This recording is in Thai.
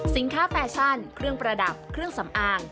แฟชั่นเครื่องประดับเครื่องสำอาง